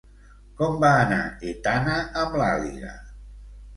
Com va anar Etana amb l'àliga?